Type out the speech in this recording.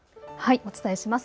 お伝えします。